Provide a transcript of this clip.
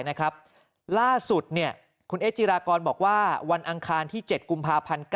นะครับล่าสุดเนี่ยคุณเอจิรากรบอกว่าวันอังคารที่๗กุมภาพัน